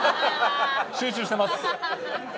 集中してます。